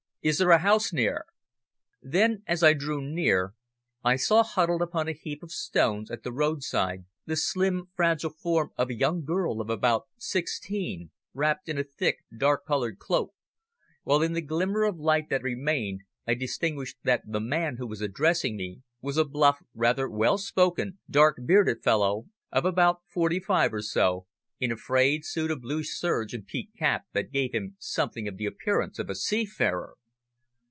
Is there a house near?" Then, as I drew near, I saw huddled upon a heap of stones at the roadside the slim, fragile form of a young girl of about sixteen, wrapped in a thick, dark coloured cloak, while in the glimmer of light that remained I distinguished that the man who was addressing me was a bluff, rather well spoken, dark bearded fellow of about forty five or so, in a frayed suit of blue serge and peaked cap that gave him something of the appearance of a seafarer.